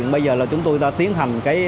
bây giờ là chúng tôi đã tiến hành